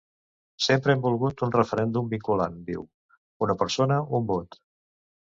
Sempre hem volgut un referèndum vinculant –diu–: una persona, un vot.